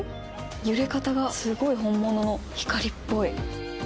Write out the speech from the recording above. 揺れ方がすごい本物の光っぽい。